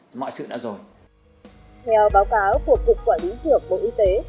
theo báo cáo của cục quản lý dược bộ y tế